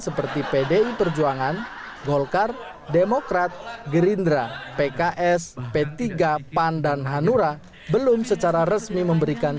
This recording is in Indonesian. seperti pdi perjuangan golkar demokrat gerindra pks p tiga pan dan hanura belum secara resmi memberikan